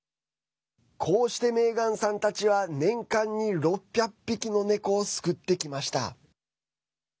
こうしてメーガンさんたちは年間に６００匹の猫を救ってきました。